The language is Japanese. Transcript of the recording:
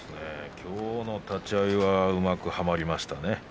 今日の立ち合いはうまくはまりましたね。